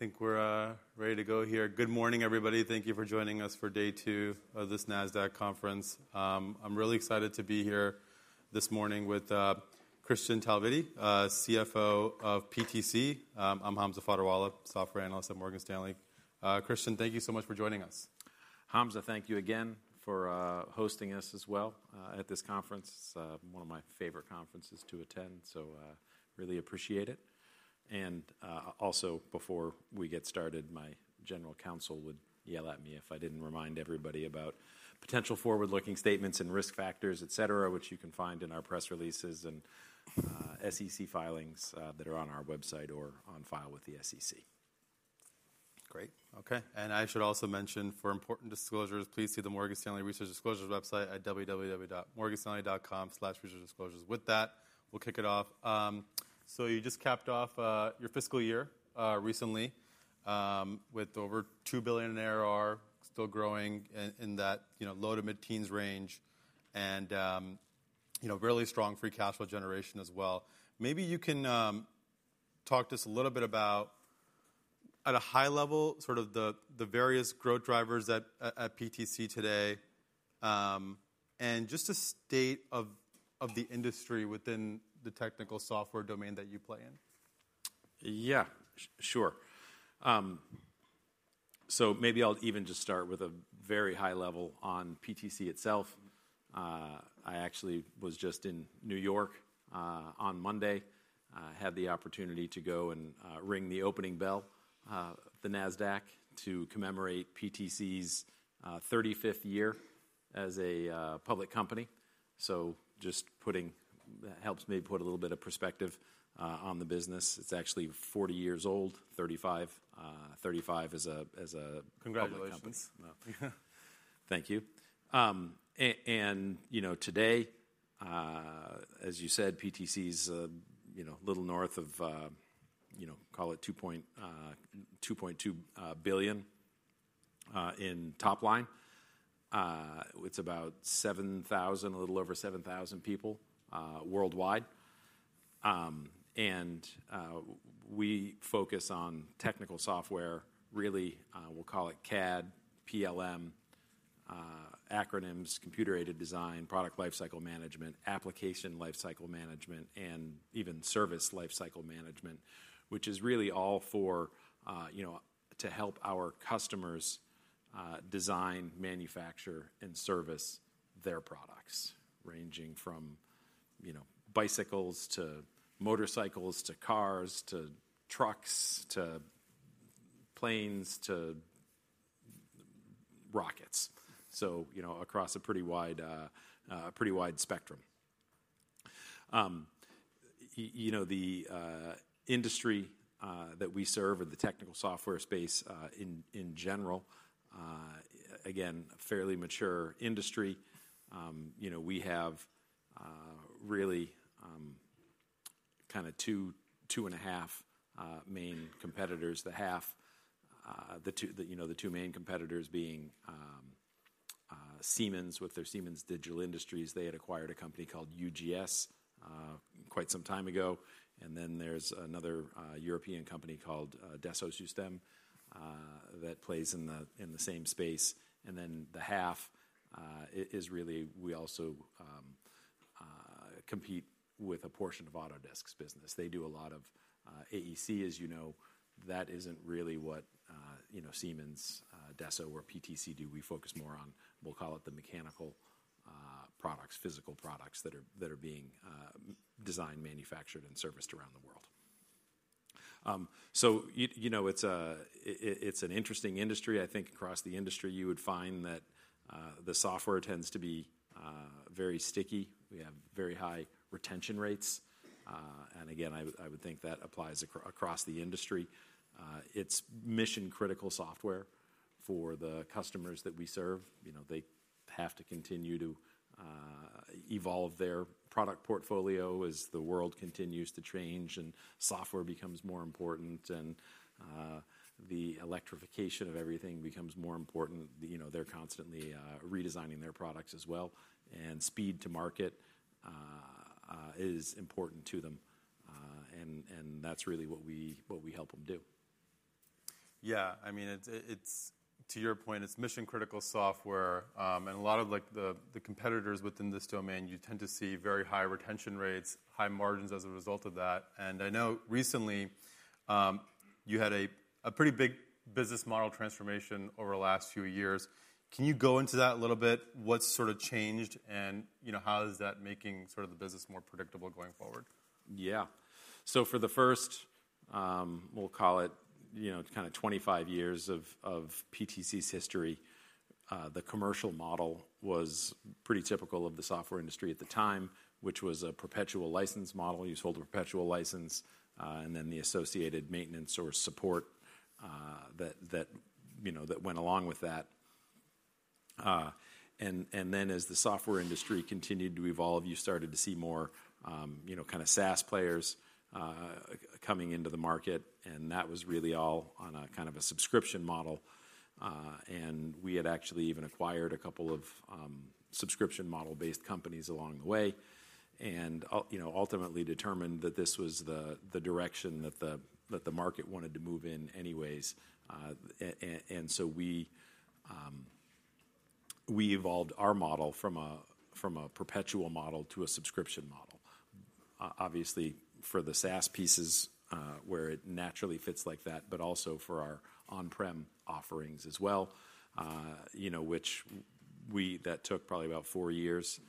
All right. I think we're ready to go here. Good morning, everybody. Thank you for joining us for day two of this Nasdaq conference. I'm really excited to be here this morning with Kristian Talvitie, CFO of PTC. I'm Hamza Fodderwala, Software Analyst at Morgan Stanley. Kristian, thank you so much for joining us. Hamza, thank you again for hosting us as well at this conference. It's one of my favorite conferences to attend, so I really appreciate it. And also, before we get started, my general counsel would yell at me if I didn't remind everybody about potential forward-looking statements and risk factors, et cetera, which you can find in our press releases and SEC filings that are on our website or on file with the SEC. Great. Okay. And I should also mention, for important disclosures, please see the Morgan Stanley Research Disclosures website at www.morganstanley.com/researchdisclosures. With that, we'll kick it off. So you just capped off your fiscal year recently with over $2 billion in ARR, still growing in that low to mid-teens range, and really strong free cash flow generation as well. Maybe you can talk to us a little bit about, at a high level, sort of the various growth drivers at PTC today, and just a state of the industry within the technical software domain that you play in? Yeah, sure. So maybe I'll even just start with a very high level on PTC itself. I actually was just in New York on Monday, had the opportunity to go and ring the opening bell at the Nasdaq to commemorate PTC's 35th year as a public company. So just putting that helps me put a little bit of perspective on the business. It's actually 40 years old, 35. Congratulations. Thank you. And today, as you said, PTC's a little north of, call it $2.2 billion in top line. It's about 7,000, a little over 7,000 people worldwide. And we focus on technical software, really. We'll call it CAD, PLM, acronyms, computer-aided design, product lifecycle management, application lifecycle management, and even service lifecycle management, which is really all to help our customers design, manufacture, and service their products, ranging from bicycles, to motorcycles, to cars, to trucks, to planes, to rockets, so across a pretty wide spectrum. The industry that we serve in the technical software space in general, again, a fairly mature industry. We have really kind of two and a half main competitors, the two main competitors being Siemens with their Siemens Digital Industries. They had acquired a company called UGS quite some time ago. And then there's another European company called Dassault Systèmes that plays in the same space. And then the other half is really we also compete with a portion of Autodesk's business. They do a lot of AEC, as you know. That isn't really what Siemens, Dassault, or PTC do. We focus more on, we'll call it the mechanical products, physical products that are being designed, manufactured, and serviced around the world. So it's an interesting industry. I think across the industry, you would find that the software tends to be very sticky. We have very high retention rates. And again, I would think that applies across the industry. It's mission-critical software for the customers that we serve. They have to continue to evolve their product portfolio as the world continues to change and software becomes more important, and the electrification of everything becomes more important. They're constantly redesigning their products as well. And speed to market is important to them. And that's really what we help them do. Yeah. I mean, to your point, it's mission-critical software, and a lot of the competitors within this domain, you tend to see very high retention rates, high margins as a result of that, and I know recently you had a pretty big business model transformation over the last few years. Can you go into that a little bit? What's sort of changed, and how is that making sort of the business more predictable going forward? Yeah, so for the first, we'll call it kind of 25 years of PTC's history, the commercial model was pretty typical of the software industry at the time, which was a perpetual license model. You sold a perpetual license, and then the associated maintenance or support that went along with that, and then as the software industry continued to evolve, you started to see more kind of SaaS players coming into the market, and that was really all on a kind of a subscription model, and we had actually even acquired a couple of subscription model-based companies along the way and ultimately determined that this was the direction that the market wanted to move in anyways. We evolved our model from a perpetual model to a subscription model, obviously for the SaaS pieces where it naturally fits like that, but also for our on-prem offerings as well, which that took probably about four years.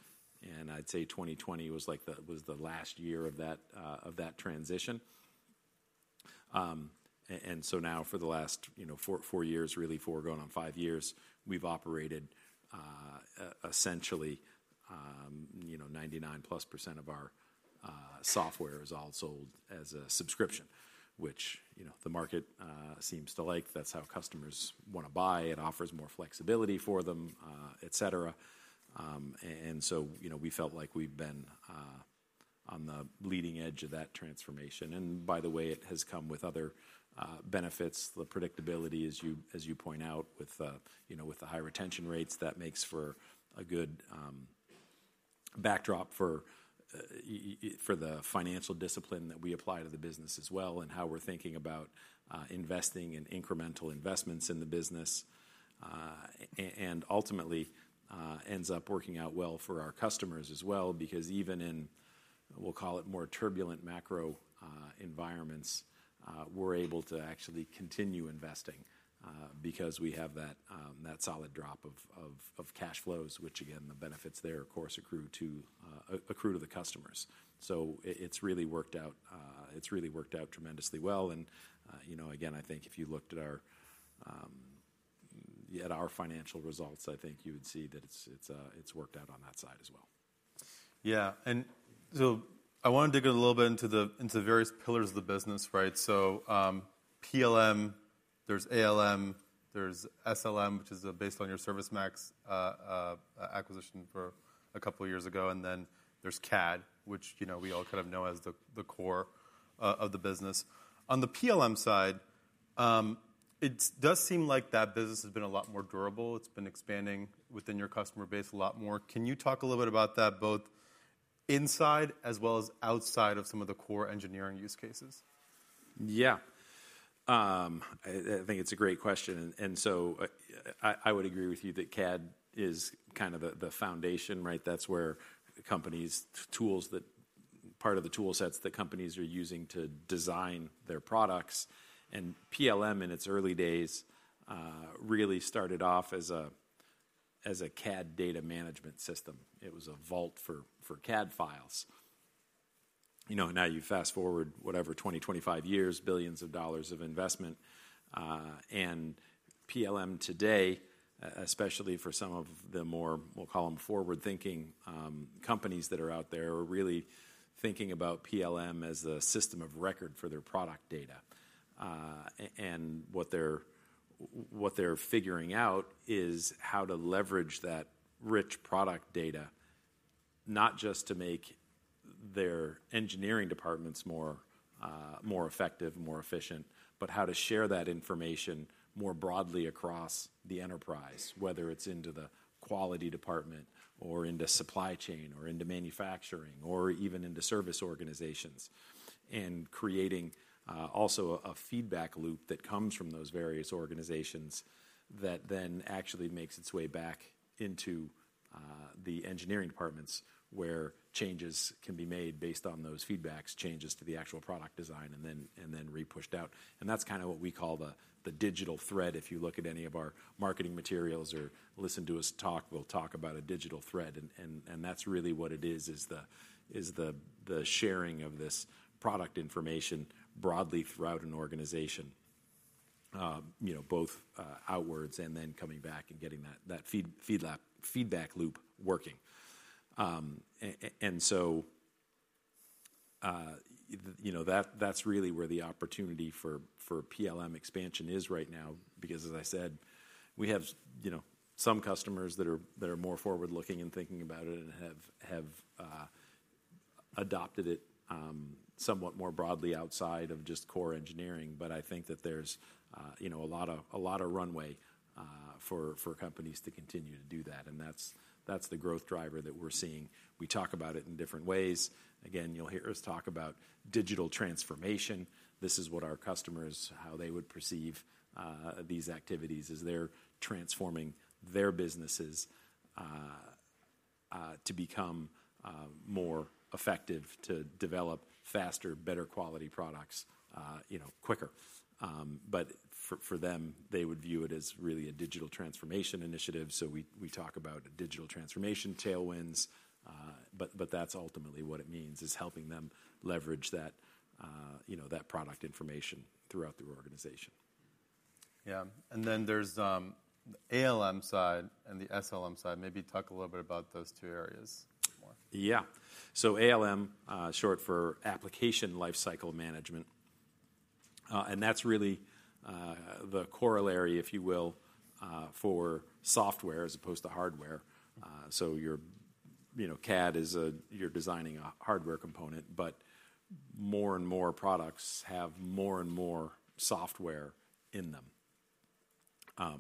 I'd say 2020 was the last year of that transition. So now for the last four years, really four, going on five years, we've operated essentially 99%+ of our software is all sold as a subscription, which the market seems to like. That's how customers want to buy. It offers more flexibility for them, et cetera. We felt like we've been on the leading edge of that transformation. By the way, it has come with other benefits. The predictability, as you point out, with the high retention rates, that makes for a good backdrop for the financial discipline that we apply to the business as well and how we're thinking about investing in incremental investments in the business, and ultimately ends up working out well for our customers as well because even in, we'll call it more turbulent macro environments, we're able to actually continue investing because we have that solid drop of cash flows, which again, the benefits there, of course, accrue to the customers, so it's really worked out. It's really worked out tremendously well. And again, I think if you looked at our financial results, I think you would see that it's worked out on that side as well. Yeah, and so I wanted to get a little bit into the various pillars of the business, right, so PLM, there's ALM, there's SLM, which is based on your ServiceMax acquisition for a couple of years ago, and then there's CAD, which we all kind of know as the core of the business. On the PLM side, it does seem like that business has been a lot more durable. It's been expanding within your customer base a lot more. Can you talk a little bit about that both inside as well as outside of some of the core engineering use cases? Yeah. I think it's a great question. And so I would agree with you that CAD is kind of the foundation, right? That's where companies, tools, part of the tool sets that companies are using to design their products. And PLM in its early days really started off as a CAD data management system. It was a vault for CAD files. Now you fast forward, whatever, 20-25 years, billions of dollars of investment. And PLM today, especially for some of the more, we'll call them forward-thinking companies that are out there, are really thinking about PLM as a system of record for their product data. And what they're figuring out is how to leverage that rich product data, not just to make their engineering departments more effective, more efficient, but how to share that information more broadly across the enterprise, whether it's into the quality department or into supply chain or into manufacturing or even into service organizations, and creating also a feedback loop that comes from those various organizations that then actually makes its way back into the engineering departments where changes can be made based on those feedbacks, changes to the actual product design, and then re-pushed out. And that's kind of what we call the digital thread. If you look at any of our marketing materials or listen to us talk, we'll talk about a digital thread. And that's really what it is, is the sharing of this product information broadly throughout an organization, both outwards and then coming back and getting that feedback loop working. And so that's really where the opportunity for PLM expansion is right now because, as I said, we have some customers that are more forward-looking and thinking about it and have adopted it somewhat more broadly outside of just core engineering. But I think that there's a lot of runway for companies to continue to do that. And that's the growth driver that we're seeing. We talk about it in different ways. Again, you'll hear us talk about digital transformation. This is what our customers, how they would perceive these activities as they're transforming their businesses to become more effective, to develop faster, better quality products quicker. But for them, they would view it as really a digital transformation initiative. So we talk about digital transformation tailwinds, but that's ultimately what it means is helping them leverage that product information throughout their organization. Yeah, and then there's the ALM side and the SLM side. Maybe talk a little bit about those two areas more. Yeah. So ALM, short for Application Lifecycle Management. And that's really the corollary, if you will, for software as opposed to hardware. So CAD is you're designing a hardware component, but more and more products have more and more software in them. I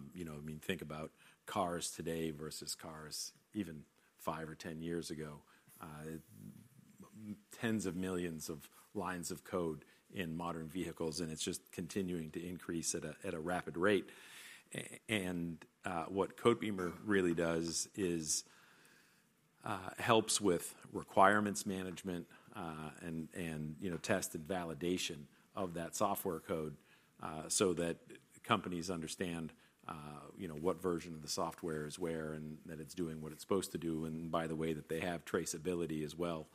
mean, think about cars today versus cars even five or 10 years ago. Tens of millions of lines of code in modern vehicles, and it's just continuing to increase at a rapid rate. And what Codebeamer really does is helps with requirements management and test and validation of that software code so that companies understand what version of the software is where and that it's doing what it's supposed to do. And by the way, that they have traceability as well,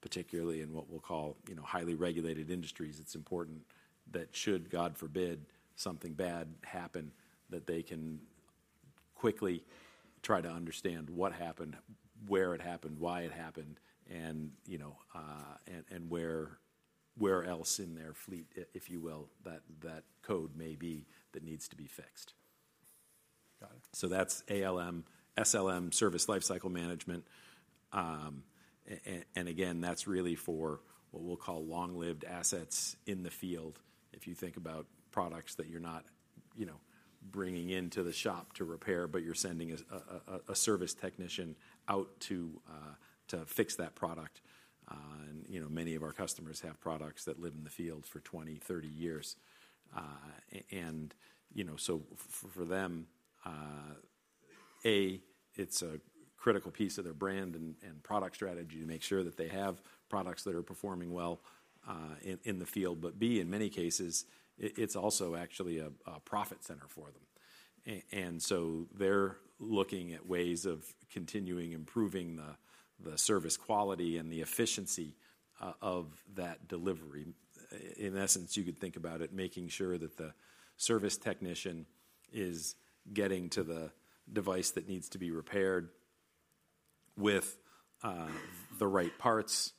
particularly in what we'll call highly regulated industries. It's important that should, God forbid, something bad happen, that they can quickly try to understand what happened, where it happened, why it happened, and where else in their fleet, if you will, that code may be that needs to be fixed. Got it. So that's ALM, SLM, Service Lifecycle Management. And again, that's really for what we'll call long-lived assets in the field. If you think about products that you're not bringing into the shop to repair, but you're sending a service technician out to fix that product. And many of our customers have products that live in the field for 20, 30 years. And so for them, A, it's a critical piece of their brand and product strategy to make sure that they have products that are performing well in the field. But B, in many cases, it's also actually a profit center for them. And so they're looking at ways of continuing improving the service quality and the efficiency of that delivery. In essence, you could think about it making sure that the service technician is getting to the device that needs to be repaired with the right parts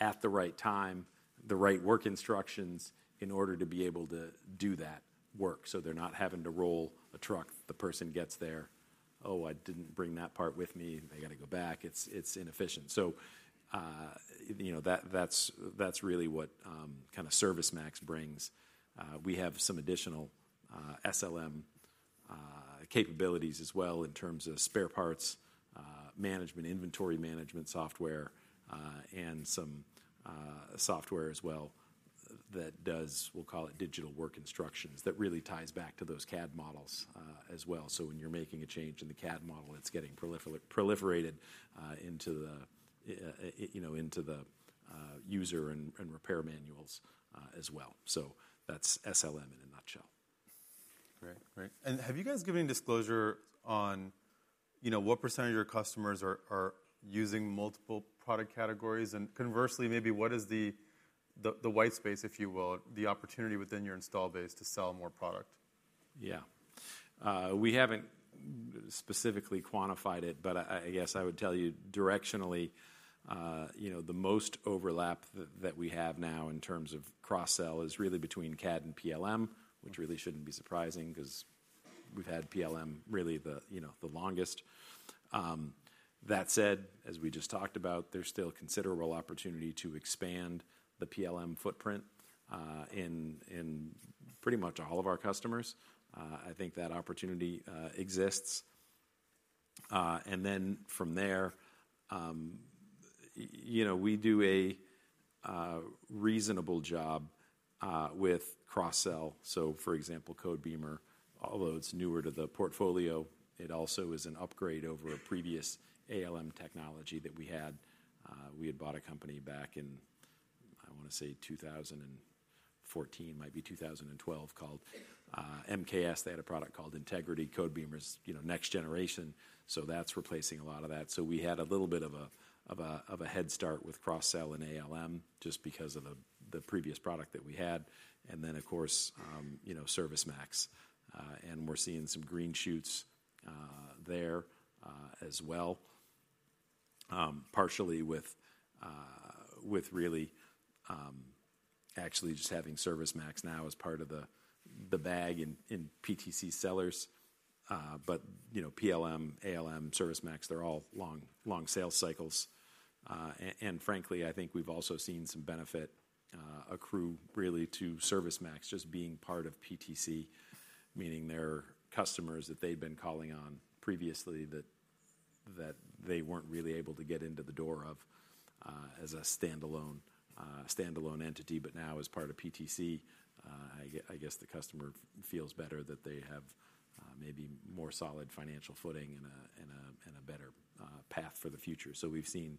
at the right time, the right work instructions in order to be able to do that work. So they're not having to roll a truck. The person gets there, "Oh, I didn't bring that part with me. I got to go back." It's inefficient. So that's really what kind of ServiceMax brings. We have some additional SLM capabilities as well in terms of spare parts management, inventory management software, and some software as well that does, we'll call it digital work instructions that really ties back to those CAD models as well. So when you're making a change in the CAD model, it's getting proliferated into the user and repair manuals as well. So that's SLM in a nutshell. Great. Great. And have you guys given disclosure on what percentage of your customers are using multiple product categories? And conversely, maybe what is the white space, if you will, the opportunity within your installed base to sell more product? Yeah. We haven't specifically quantified it, but I guess I would tell you directionally, the most overlap that we have now in terms of cross-sell is really between CAD and PLM, which really shouldn't be surprising because we've had PLM really the longest. That said, as we just talked about, there's still considerable opportunity to expand the PLM footprint in pretty much all of our customers. I think that opportunity exists. And then from there, we do a reasonable job with cross-sell. So for example, Codebeamer, although it's newer to the portfolio, it also is an upgrade over a previous ALM technology that we had. We had bought a company back in, I want to say 2014, might be 2012, called MKS. They had a product called Integrity. Codebeamer is next generation. So that's replacing a lot of that. So we had a little bit of a head start with cross-sell and ALM just because of the previous product that we had. And then, of course, ServiceMax. And we're seeing some green shoots there as well, partially with really actually just having ServiceMax now as part of the bag in PTC sellers. But PLM, ALM, ServiceMax, they're all long sales cycles. And frankly, I think we've also seen some benefit accrue really to ServiceMax just being part of PTC, meaning their customers that they've been calling on previously that they weren't really able to get into the door of as a standalone entity, but now as part of PTC, I guess the customer feels better that they have maybe more solid financial footing and a better path for the future. So we've seen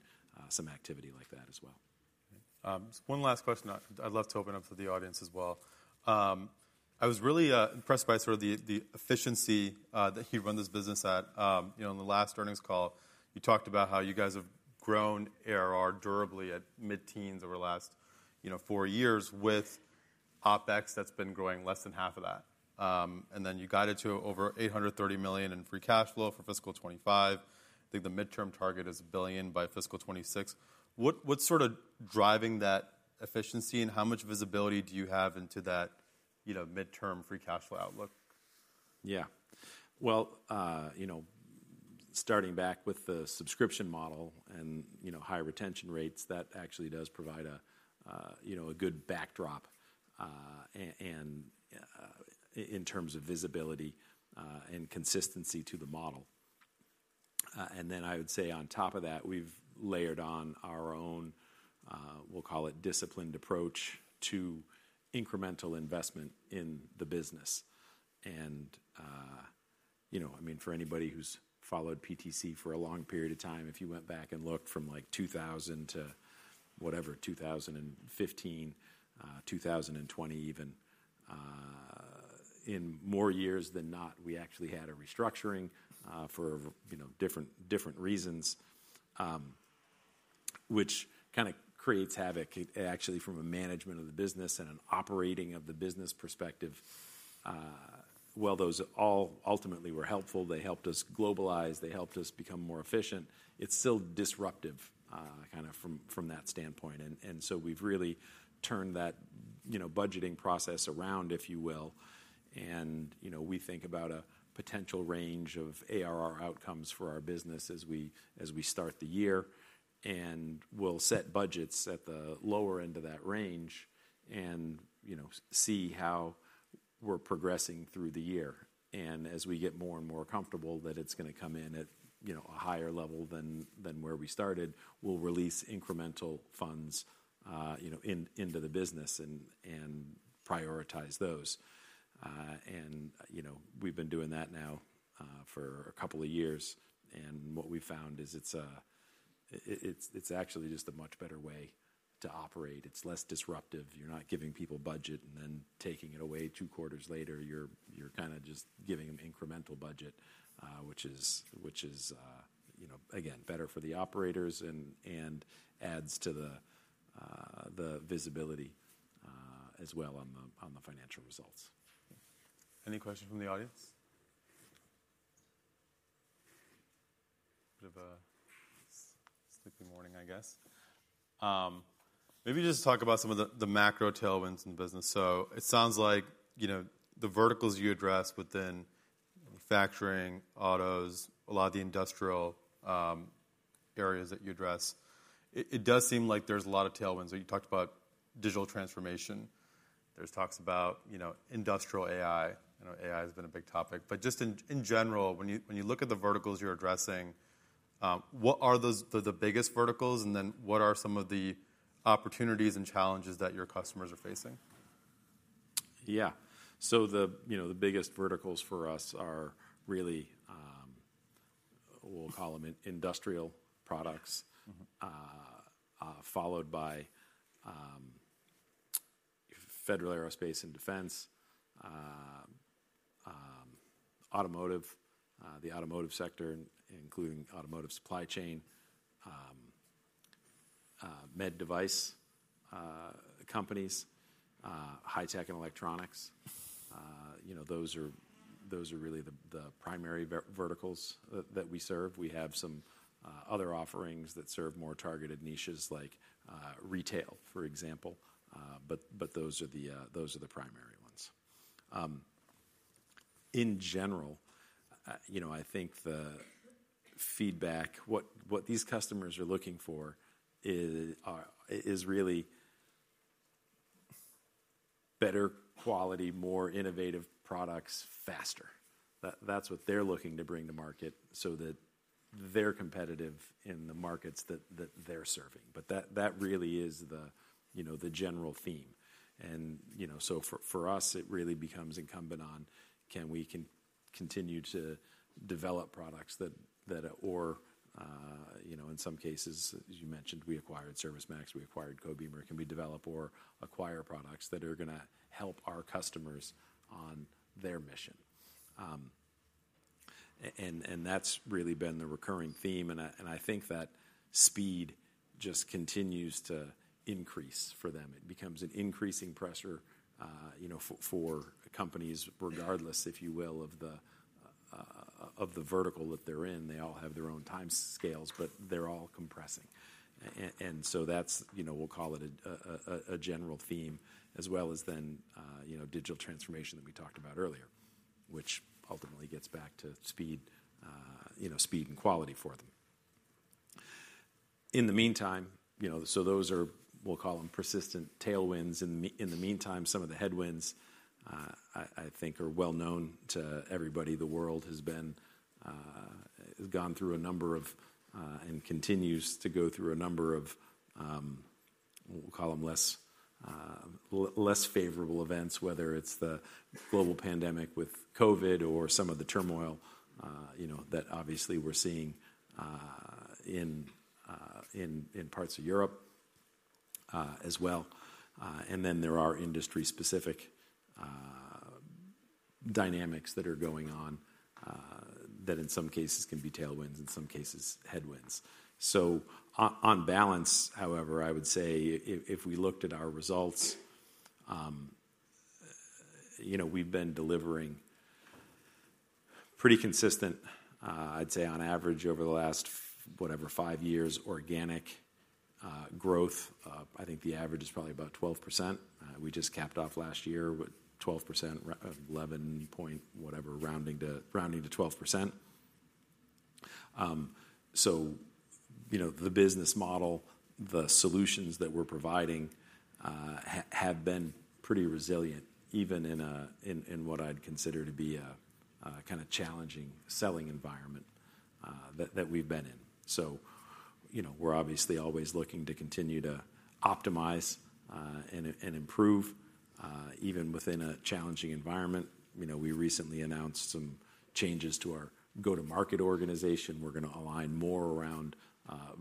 some activity like that as well. One last question. I'd love to open up to the audience as well. I was really impressed by sort of the efficiency that you run this business at. On the last earnings call, you talked about how you guys have grown ARR durably at mid-teens over the last four years with OpEx that's been growing less than half of that. And then you guided to over $830 million in free cash flow for fiscal 2025. I think the midterm target is $1 billion by fiscal 2026. What's sort of driving that efficiency and how much visibility do you have into that midterm free cash flow outlook? Yeah, well, starting back with the subscription model and high retention rates, that actually does provide a good backdrop in terms of visibility and consistency to the model, and then I would say on top of that, we've layered on our own, we'll call it disciplined approach to incremental investment in the business, and I mean, for anybody who's followed PTC for a long period of time, if you went back and looked from like 2000 to whatever, 2015, 2020 even, in more years than not, we actually had a restructuring for different reasons, which kind of creates havoc actually from a management of the business and an operating of the business perspective, well, those all ultimately were helpful. They helped us globalize. They helped us become more efficient. It's still disruptive kind of from that standpoint, and so we've really turned that budgeting process around, if you will. And we think about a potential range of ARR outcomes for our business as we start the year. And we'll set budgets at the lower end of that range and see how we're progressing through the year. And as we get more and more comfortable that it's going to come in at a higher level than where we started, we'll release incremental funds into the business and prioritize those. And we've been doing that now for a couple of years. And what we've found is it's actually just a much better way to operate. It's less disruptive. You're not giving people budget and then taking it away two quarters later. You're kind of just giving them incremental budget, which is, again, better for the operators and adds to the visibility as well on the financial results. Any questions from the audience? Bit of a sleepy morning, I guess. Maybe just talk about some of the macro tailwinds in the business. So it sounds like the verticals you address within manufacturing, autos, a lot of the industrial areas that you address, it does seem like there's a lot of tailwinds. You talked about digital transformation. There's talks about Industrial AI. AI has been a big topic. But just in general, when you look at the verticals you're addressing, what are the biggest verticals and then what are some of the opportunities and challenges that your customers are facing? Yeah. So the biggest verticals for us are really, we'll call them industrial products, followed by federal aerospace and defense, automotive, the automotive sector, including automotive supply chain, med device companies, high-tech and electronics. Those are really the primary verticals that we serve. We have some other offerings that serve more targeted niches like retail, for example. But those are the primary ones. In general, I think the feedback, what these customers are looking for is really better quality, more innovative products faster. That's what they're looking to bring to market so that they're competitive in the markets that they're serving. But that really is the general theme. And so for us, it really becomes incumbent on can we continue to develop products that, or in some cases, as you mentioned, we acquired ServiceMax, we acquired Codebeamer, can we develop or acquire products that are going to help our customers on their mission? And that's really been the recurring theme. And I think that speed just continues to increase for them. It becomes an increasing pressure for companies, regardless, if you will, of the vertical that they're in. They all have their own time scales, but they're all compressing. And so that's, we'll call it a general theme, as well as then digital transformation that we talked about earlier, which ultimately gets back to speed and quality for them. In the meantime, so those are, we'll call them persistent tailwinds. In the meantime, some of the headwinds, I think, are well known to everybody. The world has gone through a number of, and continues to go through a number of, we'll call them less favorable events, whether it's the global pandemic with COVID or some of the turmoil that obviously we're seeing in parts of Europe as well. And then there are industry-specific dynamics that are going on that in some cases can be tailwinds, in some cases headwinds. So on balance, however, I would say if we looked at our results, we've been delivering pretty consistent, I'd say on average over the last, whatever, five years, organic growth. I think the average is probably about 12%. We just capped off last year with 12%, 11 point whatever, rounding to 12%. So the business model, the solutions that we're providing have been pretty resilient even in what I'd consider to be a kind of challenging selling environment that we've been in. So we're obviously always looking to continue to optimize and improve even within a challenging environment. We recently announced some changes to our go-to-market organization. We're going to align more around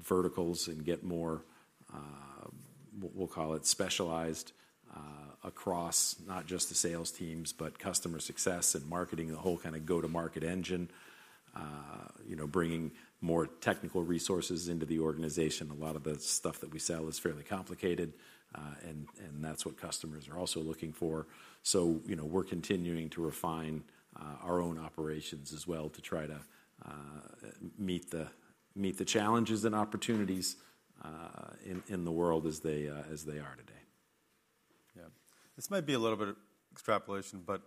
verticals and get more, we'll call it specialized across not just the sales teams, but customer success and marketing, the whole kind of go-to-market engine, bringing more technical resources into the organization. A lot of the stuff that we sell is fairly complicated, and that's what customers are also looking for. So we're continuing to refine our own operations as well to try to meet the challenges and opportunities in the world as they are today. Yeah. This might be a little bit of extrapolation, but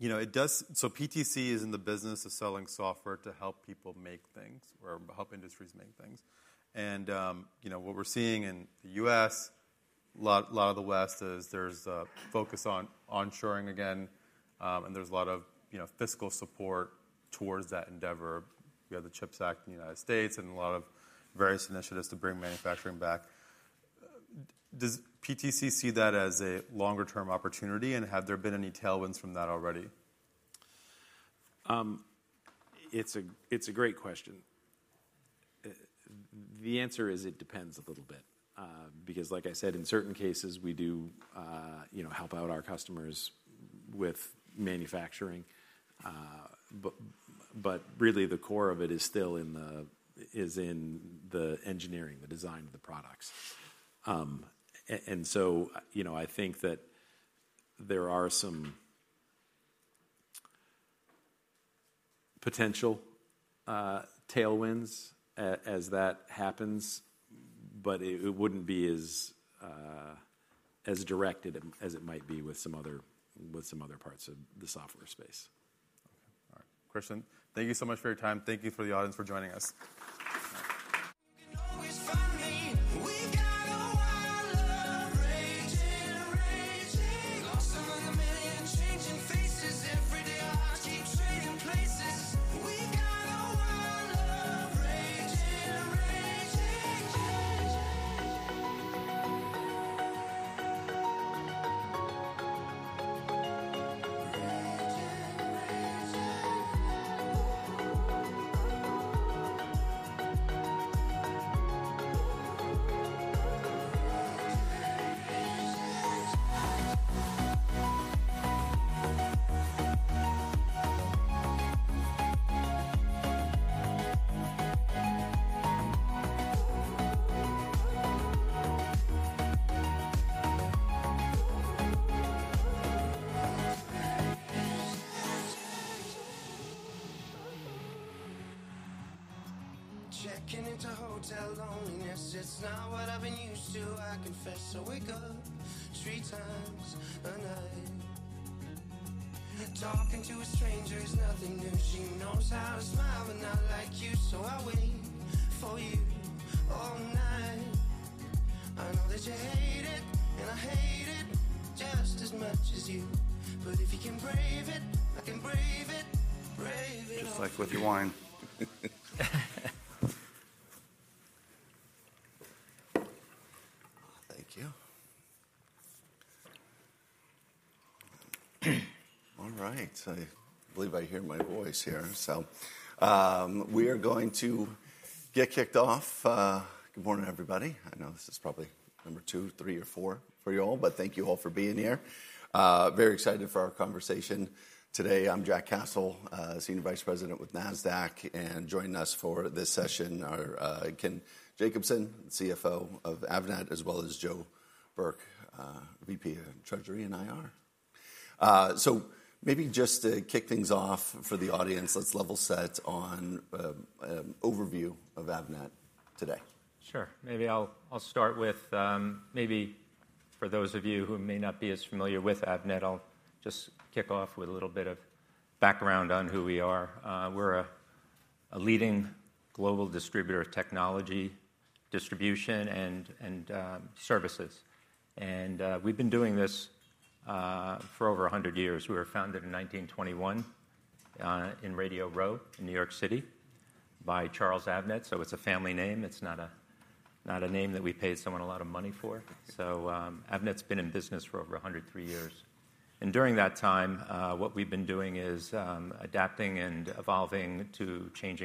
it does, so PTC is in the business of selling software to help people make things or help industries make things. And what we're seeing in the U.S., a lot of the West is there's a focus on onshoring again, and there's a lot of fiscal support towards that endeavor. We have the CHIPS Act in the United States and a lot of various initiatives to bring manufacturing back. Does PTC see that as a longer-term opportunity? And have there been any tailwinds from that already? It's a great question. The answer is it depends a little bit because, like I said, in certain cases, we do help out our customers with manufacturing. But really, the core of it is in the engineering, the design of the products. And so I think that there are some potential tailwinds as that happens, but it wouldn't be as directed as it might be with some other parts of the software space. Okay. All right. Kristian, thank you so much for your time. Thank you for the audience for joining us. Just like with your wine. Thank you. All right. I believe I hear my voice here. So we are going to get kicked off. Good morning, everybody. I know this is probably number two, three, or four for you all, but thank you all for being here. Very excited for our conversation today. I'm Jack Cassel, Senior Vice President with Nasdaq, and joining us for this session are Ken Jacobson, CFO of Avnet, as well as Joe Burke, VP of Treasury and IR. So maybe just to kick things off for the audience, let's level set on an overview of Avnet today. Sure. Maybe I'll start with for those of you who may not be as familiar with Avnet. I'll just kick off with a little bit of background on who we are. We're a leading global distributor of technology, distribution, and services. And we've been doing this for over 100 years. We were founded in 1921 in Radio Row in New York City by Charles Avnet. So it's a family name. It's not a name that we pay someone a lot of money for. So Avnet's been in business for over 103 years. And during that time, what we've been doing is adapting and evolving to changing.